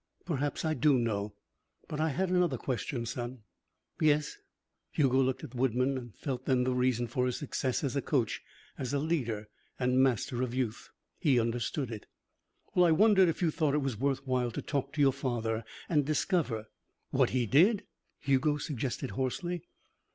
Perhaps I do know. But I had another question, son " "Yes?" Hugo looked at Woodman and felt then the reason for his success as a coach, as a leader and master of youth. He understood it. "Well, I wondered if you thought it was worth while to talk to your father and discover " "What he did?" Hugo suggested hoarsely.